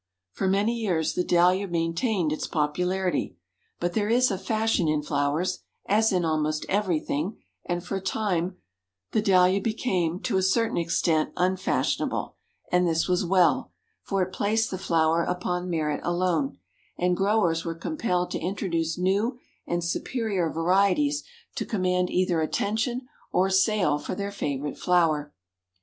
For many years the Dahlia maintained its popularity, but there is a fashion in flowers, as in almost everything, and for a time the Dahlia became, to a certain extent, unfashionable, and this was well; for it placed the flower upon merit alone, and growers were compelled to introduce new and superior varieties to command either attention or sale for their favorite flower.